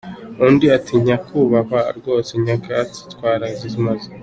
Undi ati nyakubahwa rwose nyakatsi twarazimaze.